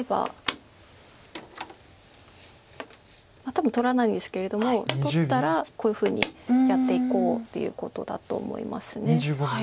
多分取らないんですけれども取ったらこういうふうにやっていこうということだと思います。